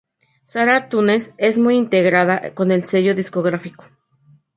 Sara Tunes es muy integrada con el sello discográfico.